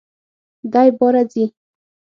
دی باره ځي!